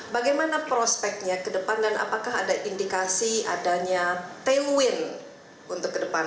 bagaimana prospeknya ke depan dan apakah ada indikasi adanya tailwind untuk ke depan